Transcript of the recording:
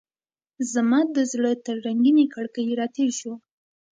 زما د زړه تر رنګینې کړکۍ راتیر شو